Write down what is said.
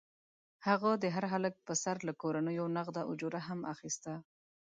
هغه د هر هلک پر سر له کورنیو نغده اجوره هم اخیسته.